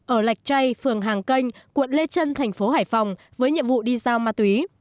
ở lạch chay phường hàng kênh quận lê trân thành phố hải phòng với nhiệm vụ đi giao ma túy